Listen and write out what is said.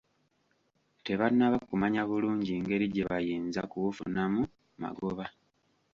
Tebannaba kumanya bulungi ngeri gye bayinza kubufunamu magoba.